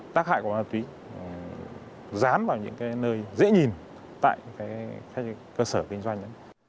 tác hại của ma túy dán vào những nơi dễ nhìn tại các cơ sở kinh doanh đấy